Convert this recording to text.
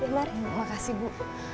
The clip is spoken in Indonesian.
terima kasih bu